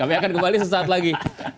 kami akan kembali sesaat lagi